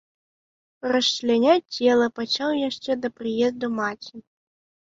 Расчляняць цела пачаў яшчэ да прыезду маці.